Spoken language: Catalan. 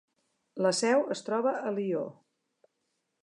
La seu es troba a Lió.